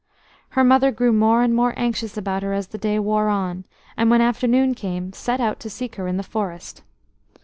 Her mother grew more and more anxious about her as the day wore on, and when afternoon came set out to seek her in the forest.